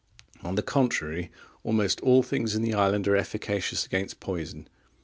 On the contrary, almost all things in the island are efficacious against poison.